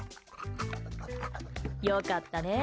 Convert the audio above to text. よかったね。